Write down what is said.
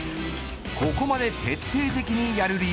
ここまで徹底的にやる理由